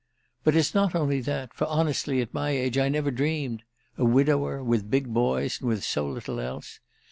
"But it's not only that; for honestly, at my age, I never dreamed—a widower with big boys and with so little else!